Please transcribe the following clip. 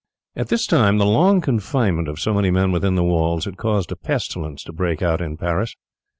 At this time the long confinement of so many men within the walls had caused a pestilence to break out in Paris.